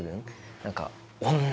何か女！